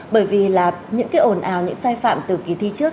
bởi vì là những cái ồn ào những sai phạm từ kỳ thi trước